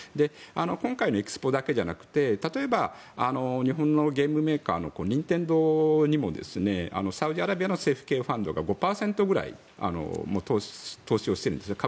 今回のエキスポだけじゃなくて例えば日本のゲームメーカーの任天堂にもサウジアラビアの政府系ファンドが５％くらい投資をしてるんですよね。